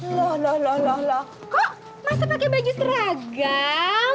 lah lah lah kok masa pake baju seragam